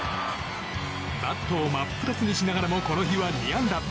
バットを真っ二つにしながらもこの日は２安打。